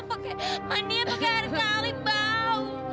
pake mandi pake air talim bau